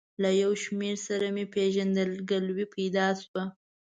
له یو شمېر سره مې پېژندګلوي پیدا شوه.